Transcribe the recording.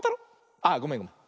あごめんごめん。